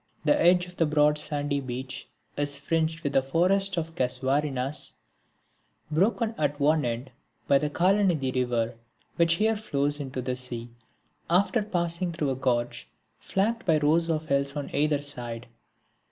The edge of the broad sandy beach is fringed with a forest of casuarinas, broken at one end by the Kalanadi river which here flows into the sea after passing through a gorge flanked by rows of hills on either side.